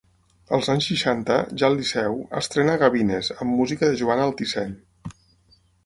Als anys seixanta, ja al Liceu, estrena Gavines, amb música de Joan Altisent.